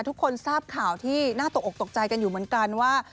ทุกคนทราบข่าวที่น่าตกออกตกใจกันอยู่เหมือนกันว่า